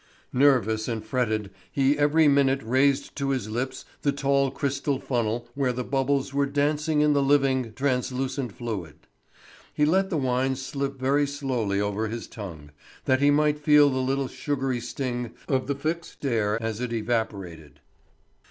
Nervous and fretted, he every minute raised to his lips the tall crystal funnel where the bubbles were dancing in the living, translucent fluid. He let the wine slip very slowly over his tongue, that he might feel the little sugary sting of the fixed air as it evaporated.